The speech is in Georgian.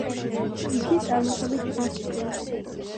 იგი წარმოშობით ბასკია.